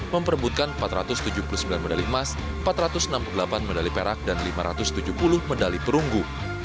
memperbutkan empat ratus tujuh puluh sembilan medali emas empat ratus enam puluh delapan medali perak dan lima ratus tujuh puluh medali perunggu